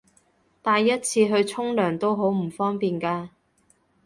帶一次去沖涼都好唔方便㗎